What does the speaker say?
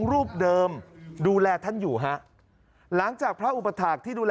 รูปเดิมดูแลท่านอยู่ฮะหลังจากพระอุปถาคที่ดูแล